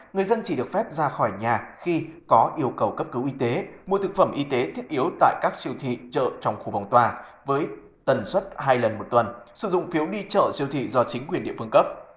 người dân chỉ được phép ra khỏi nhà khi có yêu cầu cấp cứu y tế mua thực phẩm y tế thiết yếu tại các siêu thị chợ trong khu bóng tòa với tần suất hai lần một tuần sử dụng phiếu đi chợ siêu thị do chính quyền địa phương cấp